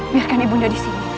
biarkan ibu nda di sini